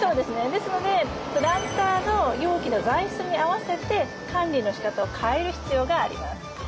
ですのでプランターの容器の材質に合わせて管理のしかたを変える必要があります。